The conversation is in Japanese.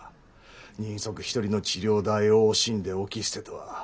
人足一人の治療代を惜しんで置き捨てとは。